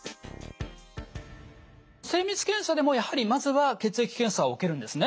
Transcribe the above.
精密検査でもやはりまずは血液検査を受けるんですね？